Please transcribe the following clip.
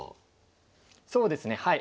そうですねはい。